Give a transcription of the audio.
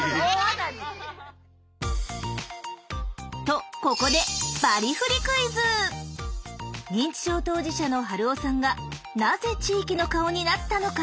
とここで認知症当事者の春雄さんがなぜ地域の顔になったのか？